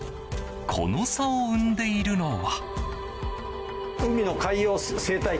この差を生んでいるのは。